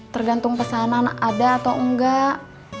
tergantung pesanan ada atau enggak